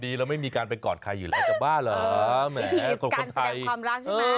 คือเราจะไม่ต้องไปพูดกับเค้าเค้าก็แต่งงานไปแล้วคุณอ่ะ